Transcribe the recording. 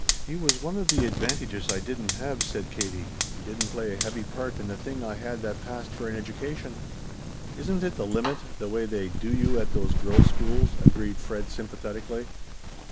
"He was one of the 'advantages' I didn't have," said Katie. "He didn't play a heavy part in the thing I had that passed for an education." "Isn't it the limit the way they 'do you' at those girls' schools?" agreed Fred sympathetically.